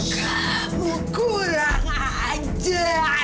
ya kurang aja